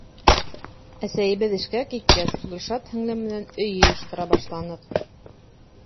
Әсәйебеҙ эшкә киткәс, Гөлшат һеңлем менән өй йыйыштыра башланыҡ.